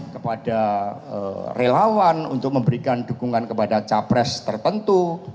kepada relawan untuk memberikan dukungan kepada capres tertentu